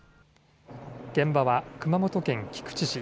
現場は熊本県菊池市。